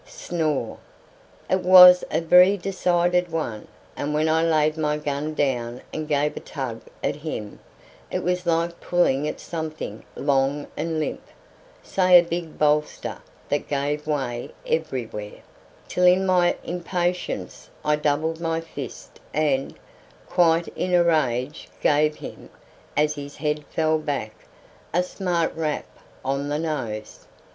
Snore! It was a very decided one, and when I laid my gun down and gave a tug at him, it was like pulling at something long and limp, say a big bolster, that gave way everywhere, till in my impatience I doubled my fist and, quite in a rage, gave him, as his head fell back, a smart rap on the nose.